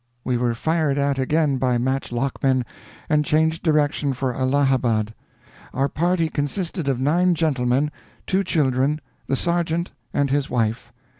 We were fired at again by match lockmen, and changed direction for Allahabad. Our party consisted of nine gentlemen, two children, the sergeant and his wife.